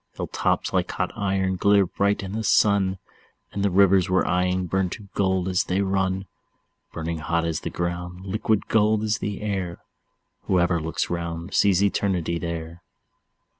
Hill tops like hot iron glitter bright in the sun, And the rivers we're eying burn to gold as they run; Burning hot is the ground, liquid gold is the air; Whoever looks round sees Eternity there.